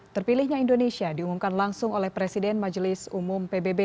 terpilihnya indonesia diumumkan langsung oleh presiden majelis umum pbb